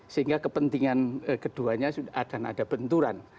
sehingga kepentingan keduanya akan ada benturan